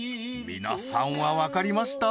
皆さんはわかりました？